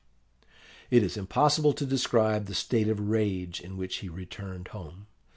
"It is impossible to describe the state of rage in which he returned home.